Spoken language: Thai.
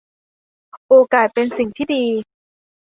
โอกาสเป็นสิ่งที่ดี